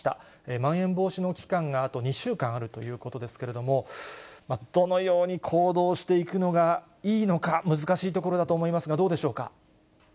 まん延防止の期間があと２週間あるということですけれども、どのように行動していくのがいいのか、難しいところだと思いますが、どうでしょうか。